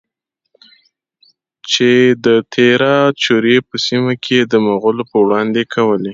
چې د تیرا د چورې په سیمه کې یې د مغولو پروړاندې کولې؛